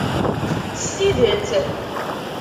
S tidet!